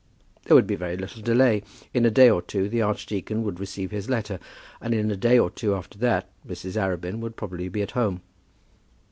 There would be very little delay. In a day or two the archdeacon would receive his letter, and in a day or two after that Mrs. Arabin would probably be at home.